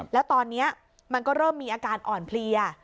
แล้วตอนนี้มันก็เริ่มมีอาการอ่อนเพลีย